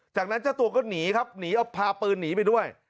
จากนั้นเจ้าตัวก็หนีครับหนีเอาพาปืนหนีไปด้วย